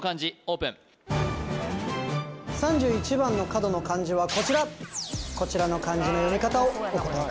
オープン３１番の角の漢字はこちらこちらの漢字の読み方をお答え